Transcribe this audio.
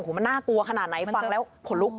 มันน่ากลัวขนาดไหนฟังแล้วขนลุก